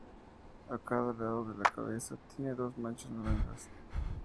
A cada lado de la cabeza tiene dos manchas naranjas.